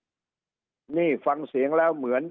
นี่ฟังเสียงแล้วเหมือน